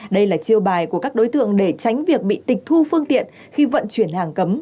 đây là chiêu bài của các đối tượng để tránh việc bị tịch thu phương tiện khi vận chuyển hàng cấm